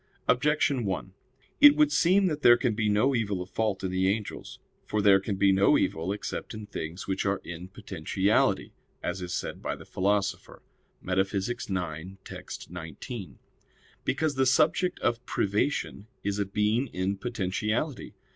Objection 1: It would seem that there can be no evil of fault in the angels. For there can be no evil except in things which are in potentiality, as is said by the Philosopher (Metaph. ix, text. 19), because the subject of privation is a being in potentiality.